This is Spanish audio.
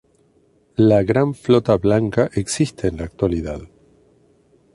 La Gran Flota Blanca existe en la actualidad.